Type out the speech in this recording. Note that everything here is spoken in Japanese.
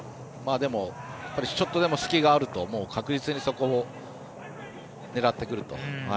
でも、ちょっとでも隙があると確実にそこを狙ってくると。